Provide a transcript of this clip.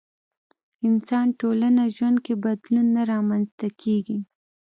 انسان ټولنه ژوند کې بدلون نه رامنځته کېږي.